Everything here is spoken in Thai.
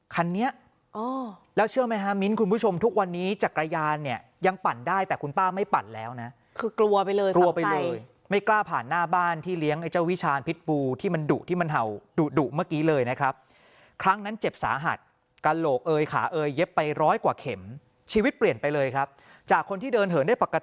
คันนี้แล้วเชื่อไหมฮะมิ้นคุณผู้ชมทุกวันนี้จักรยานเนี่ยยังปั่นได้แต่คุณป้าไม่ปั่นแล้วนะคือกลัวไปเลยกลัวไปเลยไม่กล้าผ่านหน้าบ้านที่เลี้ยงไอ้เจ้าวิชาณพิษบูที่มันดุที่มันเห่าดุดุเมื่อกี้เลยนะครับครั้งนั้นเจ็บสาหัสกระโหลกเอยขาเอยเย็บไปร้อยกว่าเข็มชีวิตเปลี่ยนไปเลยครับจากคนที่เดินเหินได้ปกติ